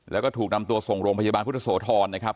แล้วก็ถูกนำตัวส่งโรงพยาบาลพุทธโสธรนะครับ